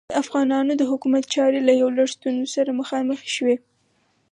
د افغانانو د حکومت چارې له یو لړ ستونزو سره مخامخې شوې.